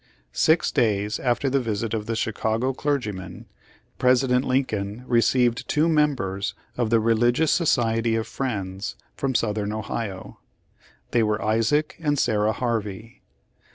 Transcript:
Six days after the visit of the Chicago clergy men, President Lincoln received two members of the Religious Society of Friends from Southern Ohio. They were Isaac and Sarah Harvey.